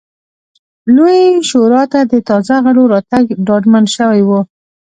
لویې شورا ته د تازه غړو راتګ ډاډمن شوی و